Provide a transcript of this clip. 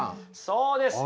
そうです。